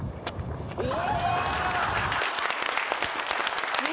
お！